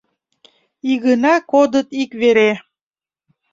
Игына кодыт ик вере